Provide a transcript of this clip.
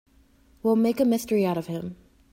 We'll make a mystery out of him.